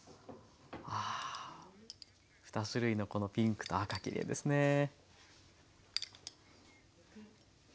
ああ２種類のこのピンクと赤きれいですね。